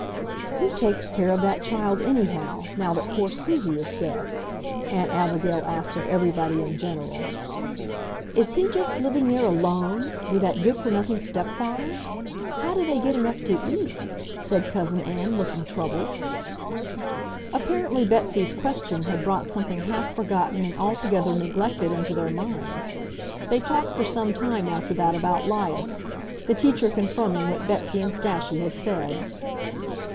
"Who takes care of that child anyhow, now that poor Susie is dead?" Aunt Abigail asked of everybody in general. "Is he just living there ALONE, with that good for nothing stepfather? How do they get enough to EAT?" said Cousin Ann, looking troubled. Apparently Betsy's question had brought something half forgotten and altogether neglected into their minds. They talked for some time after that about 'Lias, the teacher confirming what Betsy and Stashie had said.